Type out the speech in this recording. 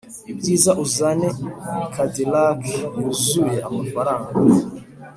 ibyiza uzane cadillac yuzuye amafaranga